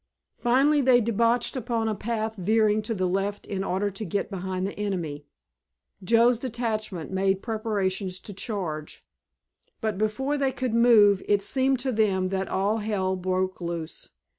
Finally they debouched upon a path veering to the left in order to get behind the enemy. Joe's detachment made preparations to charge. But before they could move it seemed to them that all hell broke loose.